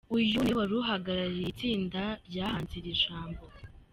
Uyu ni we wari uhagarariye itsinda ryahanze iri jambo.